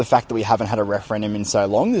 sebab kita belum pernah memiliki referandum selama ini